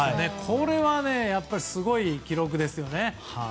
これはすごい記録ですよね。